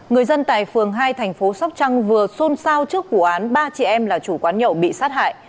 người dân tại phường hai thành phố sóc trăng vừa xôn xao trước vụ án ba chị em là chủ quán nhậu bị sát hại